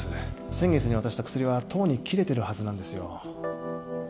先月に渡した薬はとうに切れてるはずなんですよ